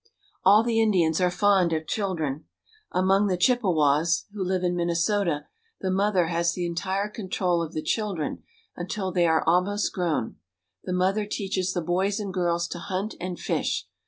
All the Indians are fond of children. Among the Chippewas, who live in Minnesota, the mother has the entire control of the children until they are almost grown. The mother teaches the boys and girls to hunt and fish.